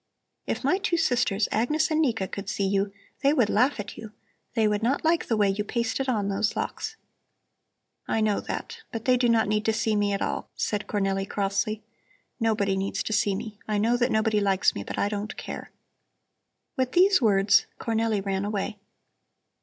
If my two sisters, Agnes and Nika, could see you, they would laugh at you; they would not like the way you pasted on those locks." "I know that. But they do not need to see me at all," said Cornelli crossly. "Nobody needs to see me. I know that nobody likes me, but I don't care." With these words Cornelli ran away.